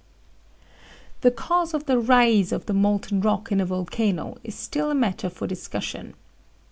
"The cause of the rise of the molten rock in a volcano is still a matter for discussion.